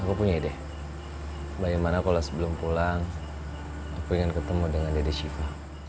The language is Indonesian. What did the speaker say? aku punya ide bagaimana kalau sebelum pulang aku ingin ketemu dengan dede siva